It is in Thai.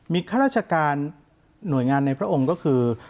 มีข้าราชการหน่วยงานในพระองค์ก็คือ